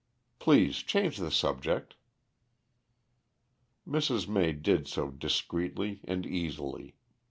"Please change the subject." Mrs. May did so discreetly and easily.